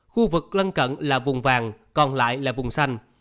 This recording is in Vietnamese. khu vực lân cận là vùng vàng còn lại là vùng xanh